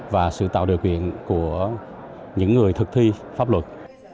và sự tạo điều kiện của những người thực thi pháp luật